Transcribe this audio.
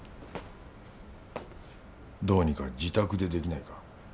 どうにか自宅でできないか？